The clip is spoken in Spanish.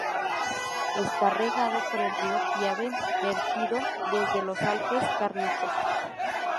Está regado por el río Piave vertido desde los Alpes Cárnicos.